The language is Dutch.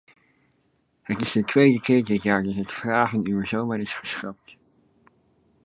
Het is de tweede keer dit jaar dat het vragenuur zo maar is geschrapt.